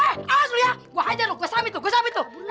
hei awas lu ya gue hajar lu gue samit lu gue samit lu